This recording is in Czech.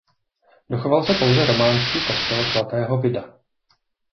Dochoval se pouze románský kostel svatého Vida.